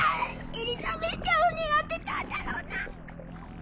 エリザベスちゃんを狙ってたんだろうな。